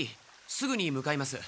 すぐに向かいます。